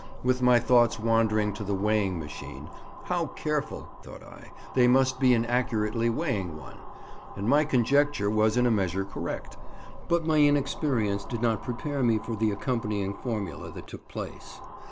With my thoughts wandering to the weighing machine, "how careful," thought I, "they must be in accurately weighing one;" and my conjecture was in a measure correct, but my inexperience did not prepare me for the accompanying formula that took place.